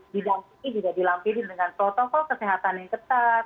di dalam sini juga dilampirin dengan protokol kesehatan yang ketat